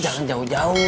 jangan jauh jauh